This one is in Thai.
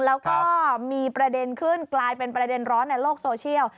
แล้วก็มีประเด็นขึ้นกลายเป็นประเด็นร้อนในโลกโซเชียล